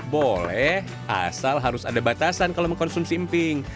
boleh asal harus ada batasan kalau mengkonsumsi emping